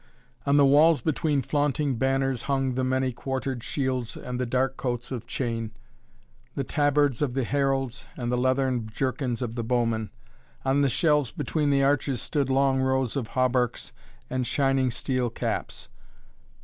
On the walls between flaunting banners hung the many quartered shields and the dark coats of chain, the tabards of the heralds and the leathern jerkins of the bowmen. On the shelves between the arches stood long rows of hauberks and shining steel caps.